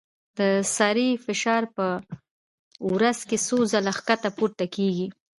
د سارې فشار په ورځ کې څو ځله ښکته پورته کېږي.